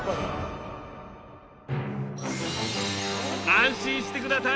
安心してください！